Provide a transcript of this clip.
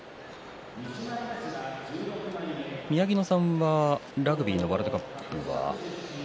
宮城野さんはラグビーのワールドカップは？